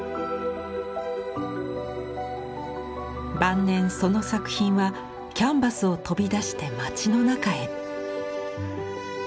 晩年その作品はキャンバスを飛び出して街の中へ。